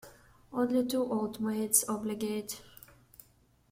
Only two old maids obliged.